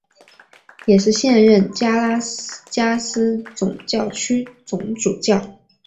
也是现任加拉加斯总教区总主教。